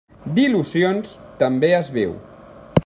D'il·lusions també es viu.